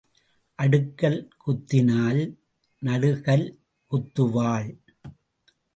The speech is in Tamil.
அடுக்கல் குத்தினால், நடுக்கல் குத்துவாள்.